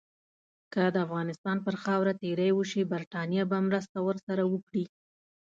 که د افغانستان پر خاوره تیری وشي، برټانیه به مرسته ورسره وکړي.